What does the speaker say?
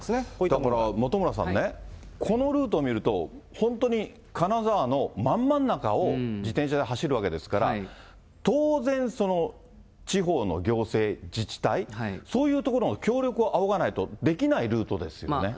だから、本村さんね、このルート見ると、本当に金沢のまん真ん中を自転車で走るわけですから、当然その、地方の行政、自治体、そういうところの協力を仰がないと、できないルートですよね。